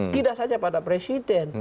tidak saja pada presiden